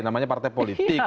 namanya partai politik